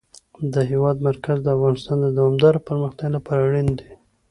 د هېواد مرکز د افغانستان د دوامداره پرمختګ لپاره اړین دي.